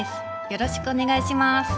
よろしくお願いします。